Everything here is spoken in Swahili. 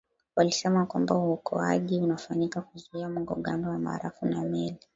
walisema kwamba uokoaji unafanyika kuzuia mgongano wa barafu na meli